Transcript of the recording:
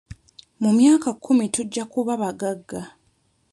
Mu myaka kkumi tujja kuba bagagga.